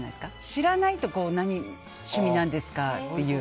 知らないと趣味なんですか？とか。